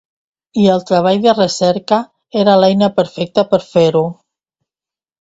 I el Treball de Recerca era l'eina perfecta per fer-ho.